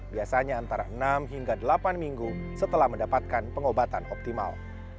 biasanya antara enam hingga delapan minggu setelah mendapatkan pengobatan optimal